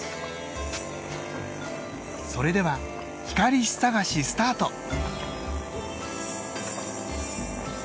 それでは光石探しスタート。